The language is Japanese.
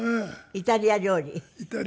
イタリア料理。